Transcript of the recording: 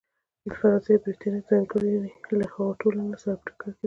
د فرانسې او برېټانیا ځانګړنې له هغو ټولنو سره په ټکر کې دي.